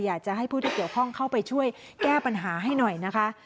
อยากจะให้ผู้ที่เกี่ยวข้องเข้าไปช่วยแก้ปัญหาให้หน่อยนะคะ